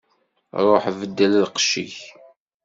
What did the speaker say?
Ṛuḥ beddel lqecc-ik.